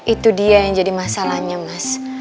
itu dia yang jadi masalahnya mas